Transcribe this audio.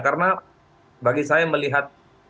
karena bagi saya melihat